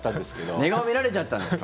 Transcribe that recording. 寝顔見られちゃったんですか？